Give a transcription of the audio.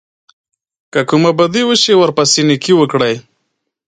که کومه بدي وشي ورپسې نېکي وکړئ.